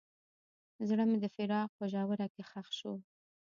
زړه مې د فراق په ژوره کې ښخ شو.